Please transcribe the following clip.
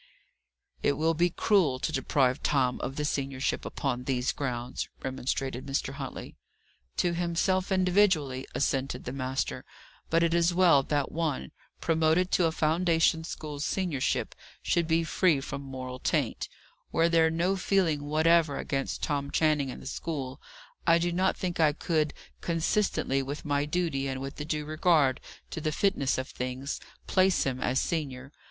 "It will be cruel to deprive Tom of the seniorship upon these grounds," remonstrated Mr. Huntley. "To himself individually," assented the master. "But it is well that one, promoted to a foundation school's seniorship, should be free from moral taint. Were there no feeling whatever against Tom Channing in the school, I do not think I could, consistently with my duty and with a due regard to the fitness of things, place him as senior.